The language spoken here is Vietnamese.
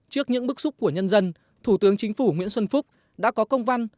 trước những bức xúc của nhân dân thủ tướng chính phủ nguyễn xuân phúc đã có công văn